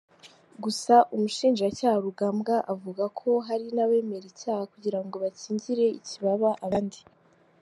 Gusa umushinjacyaha Rugambwa avuga ko “hari n’abemera icyaha kugira ngo bakingire ikibaba abandi.